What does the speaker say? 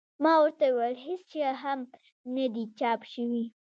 ما ورته وویل هېڅ شی هم نه دي چاپ شوي.